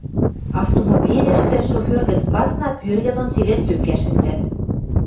Автомобильӹштӹжӹ, шофер гӹц пасна, пӱэргӹ дон цевер тӧкӓ шӹнзӓт.